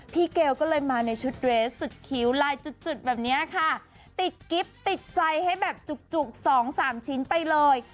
เกลก็เลยมาในชุดเรสสุดคิ้วลายจุดแบบนี้ค่ะติดกิ๊บติดใจให้แบบจุกสองสามชิ้นไปเลย